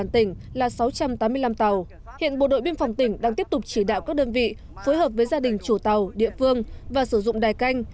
tỉnh là sáu trăm tám mươi năm tàu hiện bộ đội biên phòng tỉnh đang tiếp tục chỉ đạo các đơn vị phối hợp với gia đình chủ tàu địa phương và sử dụng đài canh